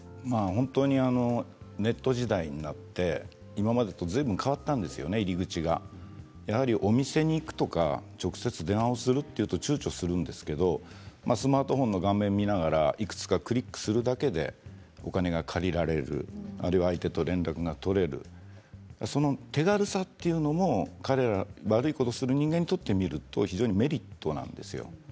ネット時代になって今までと、ずいぶん変わったんですよね、入り口がお店に行くとか直接電話をするというとちゅうちょするんですけどスマートフォンの画面を見ながらいくつかクリックするだけでお金が借りられるあるいは相手と連絡が取れる、その手軽さというのも彼ら悪いことをする人間からとって見るとメリットなんですよね。